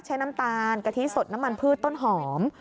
น้ำตาลกะทิสดน้ำมันพืชต้นหอม